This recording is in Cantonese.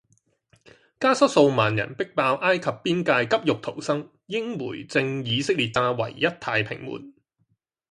加沙數萬人逼爆埃及邊界急欲逃生英媒證以色列炸「唯一太平門」